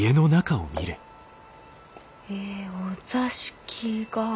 えお座敷が。